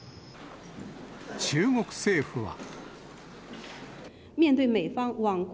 中国政府は。